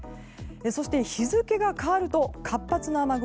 そして日付が変わると活発な雨雲